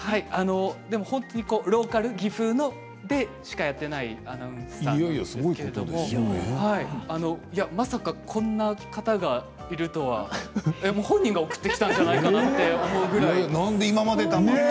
本当にローカルでしかやっていないアナウンサーなんですけれどまさかこんな方がいるとは本人が送ってきたんじゃないかなと思うくらい。